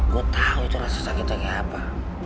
gue tahu itu rasa sakitnya kayak apa